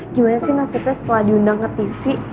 gimana sih nasibnya setelah diundang ke tv